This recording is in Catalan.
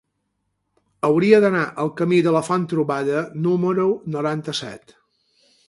Hauria d'anar al camí de la Font-trobada número noranta-set.